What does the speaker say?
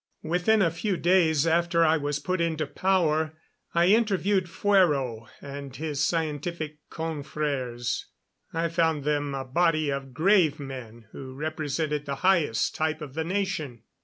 Within a few days after I was put into power I interviewed Fuero and his scientific confrères. I found them a body of grave men who represented the highest type of the nation.